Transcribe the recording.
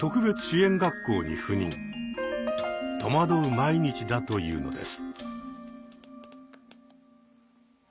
戸惑う毎日だというのです。